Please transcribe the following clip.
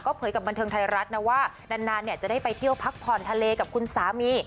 เผยกับบันเทิงไทยรัฐนะว่านานจะได้ไปเที่ยวพักผ่อนทะเลกับคุณสามี